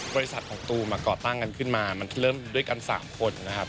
บริษัทของตูมก่อตั้งกันขึ้นมามันเริ่มด้วยกัน๓คนนะครับ